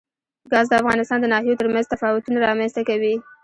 ګاز د افغانستان د ناحیو ترمنځ تفاوتونه رامنځ ته کوي.